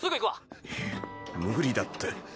いや無理だって。